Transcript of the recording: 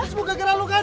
semoga gak gerah lo kan